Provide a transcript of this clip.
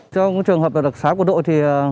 trong trường hợp lực xá của đội